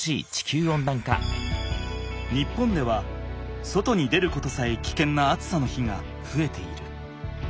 日本では外に出ることさえきけんな暑さの日がふえている。